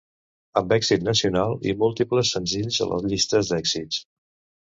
Amb èxit nacional i múltiples senzills a les llistes d'èxits.